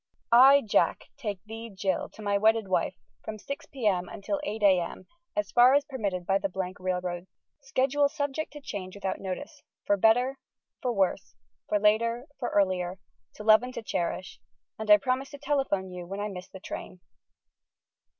"I, Jack, take thee, Jill, to my wedded wife, from 6 P.M. until 8 A.M., as far as permitted by the Railroad, schedule subject to change without notice, for better, for worse, for later, for earlier, to love and to cherish, and I promise to telephone you when I miss the train."